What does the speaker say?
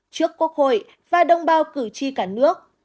trước quốc hội và đông bao cử tri cả nước